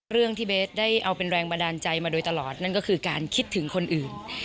เรื่องที่เบสได้เอาเป็นแรงบันดาลใจมาโดยตลอดนั่นก็คือการคิดถึงคนอื่น